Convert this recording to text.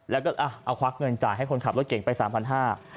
แล้วก็เอาควักเงินจ่ายให้คนขับรถเก่งไป๓๕๐๐บาท